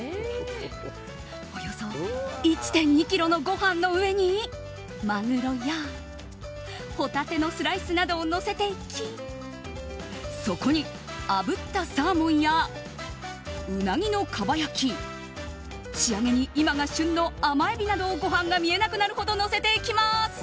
およそ１．２ｋｇのご飯の上にマグロやホタテのスライスなどをのせていきそこにあぶったサーモンやウナギのかば焼き仕上げに今が旬の甘エビなどをご飯が見えなくなるほどのせていきます。